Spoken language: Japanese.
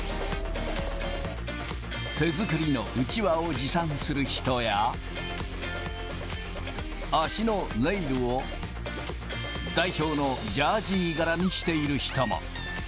手作りのうちわを持参する人や、足のネイルを、代表のジャージー柄にしている人も。